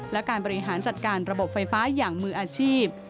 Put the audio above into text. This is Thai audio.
และการบริหารจัดการระบบไฟฟ้าอย่างมืออาชีพ